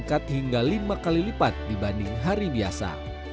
meningkat hingga lima kali lipat dibanding hari biasa